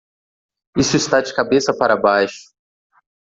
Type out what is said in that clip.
Isso está de cabeça para baixo.